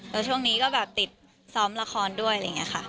แล้วช่วงนี้ก็แบบติดซ้อมละครด้วยอะไรอย่างนี้ค่ะ